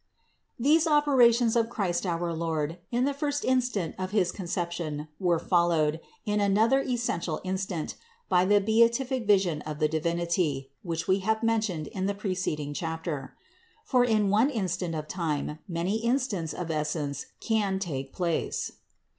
150. These operations of Christ our Lord in the first instant of his conception were followed, in another es sential instant, by the beatific vision of the Divinity, which we have mentioned in the preceding chapter (No. 139) ; for in one instant of time many instants of essence can take place.